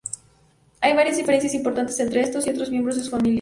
Hay varias diferencias importantes entre este y otros miembros de su familia.